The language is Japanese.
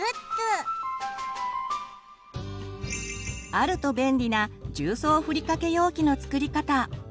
あると便利な重曹ふりかけ容器の作り方。